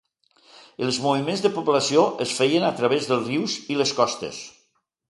Els moviments de població es feien a través dels rius i les costes.